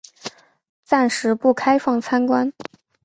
暂时不开放参观